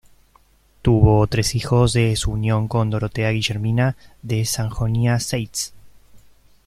Tuvo tres hijos de su unión con Dorotea Guillermina de Sajonia-Zeitz.